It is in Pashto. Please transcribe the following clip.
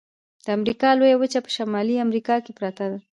د امریکا لویه وچه په شمالي امریکا کې پرته ده.